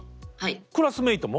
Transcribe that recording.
クラスメートも？